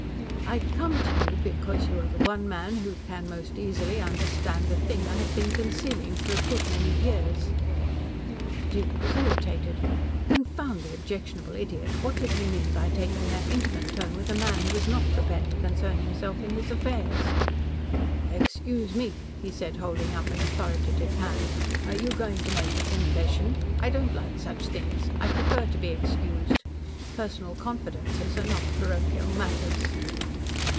"I come to you because you are the one man who can most easily understand the thing I have been concealing for a good many years." The Duke was irritated. Confound the objectionable idiot, what did he mean by taking that intimate tone with a man who was not prepared to concern himself in his affairs? "Excuse me," he said, holding up an authoritative hand, "are you going to make a confession? I don't like such things. I prefer to be excused. Personal confidences are not parochial matters."